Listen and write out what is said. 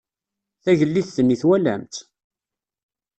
Tagellidt-nni twalam-tt?